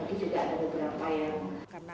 mereka juga akan berpercaya